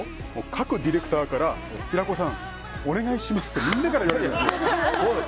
各ディレクターから平子さん、お願いしますってみんなから言われてるんです。